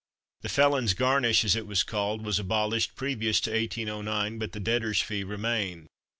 The felons' "garnish," as it was called, was abolished previous to 1809, but the debtors' fee remained.